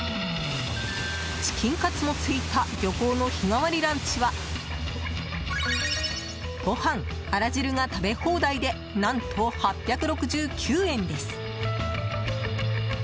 チキンカツもついた漁港の日替わりランチはご飯、あら汁が食べ放題で何と８６９円です。